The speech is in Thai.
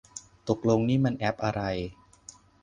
ตกลงนี่มันแอปอะไร